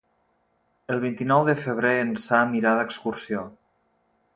El vint-i-nou de febrer en Sam irà d'excursió.